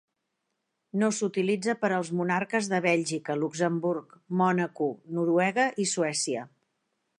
No s'utilitza per als monarques de Bèlgica, Luxemburg, Mònaco, Noruega i Suècia.